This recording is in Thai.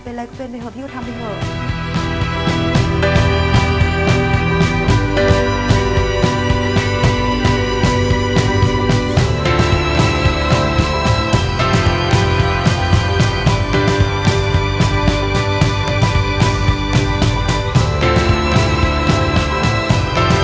โปรดติดตามตอนต่อไป